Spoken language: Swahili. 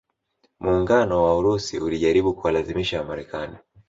Muungano wa Urusi ulijaribu kuwalazimisha Wamarekani